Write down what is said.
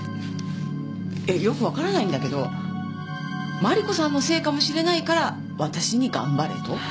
えっよくわからないんだけどマリコさんのせいかもしれないから私に頑張れと？